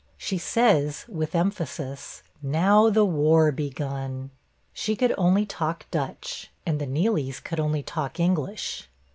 She says, with emphasis, 'Now the war begun. ' She could only talk Dutch and the Nealys could only talk English.